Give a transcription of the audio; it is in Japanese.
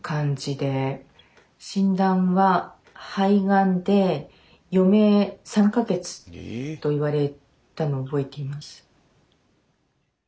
診断は肺がんで余命３か月と言われたのを覚えています。